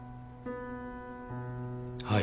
はい。